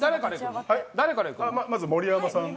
誰からいくの？